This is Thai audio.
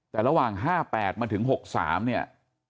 แต่ระหว่าง๕๘มาถึง๖๓เนี่ย